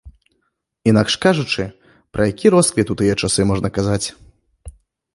Інакш кажучы, пра які росквіт у тыя часы можна казаць?